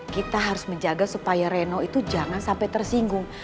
kita harus menjaga supaya reno itu jangan sampai tersinggung